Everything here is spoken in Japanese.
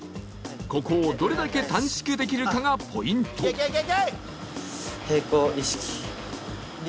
ここをどれだけ短縮できるかがポイント平行意識。